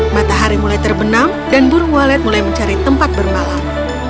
matahari mulai terbenam dan burung walet mulai mencari tempat bermalam